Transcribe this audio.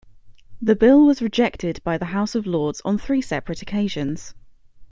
The bill was rejected by the House of Lords on three separate occasions.